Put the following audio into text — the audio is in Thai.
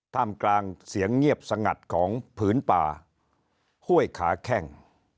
ท่ามกลางเสียงเงียบสงัดของผืนป่าห้วยขาแข้ง